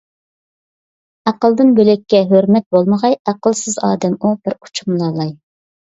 ئەقىلدىن بۆلەككە ھۆرمەت بولمىغاي، ئەقىلسىز ئادەم ئۇ، بىر ئوچۇملا لاي.